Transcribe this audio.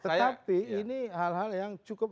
tetapi ini hal hal yang cukup